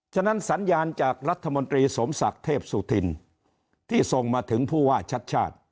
ฉะนั้นสัญญาณจากรัฐมนตรีสมศักดิ์เทพสุธินที่ส่งมาถึงผู้ว่าชัดชาติ